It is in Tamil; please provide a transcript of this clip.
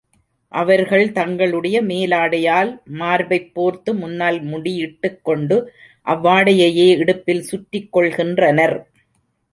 அவர்கள் தங்களுடைய மேலாடையால் மார்பைப் போர்த்து முன்னால் முடியிட்டுக் கொண்டு, அவ்வாடையையே இடுப்பில் சுற்றிக்கொள்கின்றனர்.